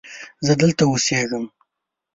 زه دلته اوسیږم